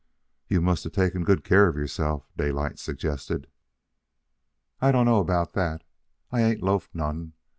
"You must a' taken good care of yourself," Daylight suggested. "I don't know about that. I ain't loafed none.